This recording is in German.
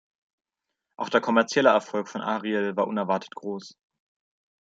Auch der kommerzielle Erfolg von "Ariel" war unerwartet groß.